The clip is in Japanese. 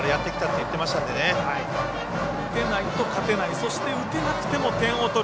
打てないと勝てないそして打てなくても点を取る。